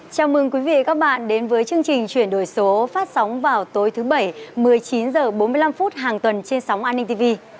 chào mừng quý vị và các bạn đến với chương trình chuyển đổi số phát sóng vào tối thứ bảy một mươi chín h bốn mươi năm hàng tuần trên sóng an ninh tv